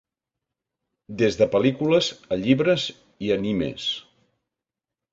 Des de pel·lícules, a llibres i animes.